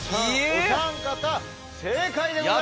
おさん方正解でございます！